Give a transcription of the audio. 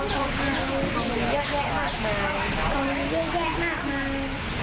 น้องอิ่มจังหรือว่าน้องดอกแก้ม